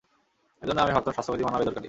এজন্যই আমি ভাবতাম স্বাস্থ্যবিধি মানা বেদরকারী।